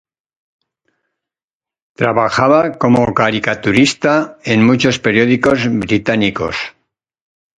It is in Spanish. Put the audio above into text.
Trabajaba como caricaturista en muchos periódicos británicos.